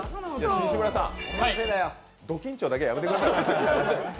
西村さん、ド緊張だけはやめてくださいよ。